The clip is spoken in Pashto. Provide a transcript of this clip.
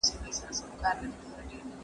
که تاسي ورزش وکړئ، نو روحیه به مو پیاوړې شي.